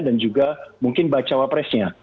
dan juga mungkin bacawa presnya